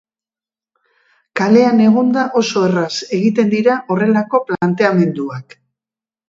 Kalean egonda oso erraz egiten dira horrelako planteamenduak.